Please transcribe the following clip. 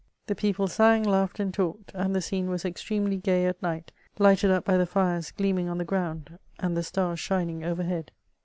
The people sang, laughed, and talked, and the scene was extremely gay at night, lighted up by the fires gleaming on the ground, and the stars smning overhead.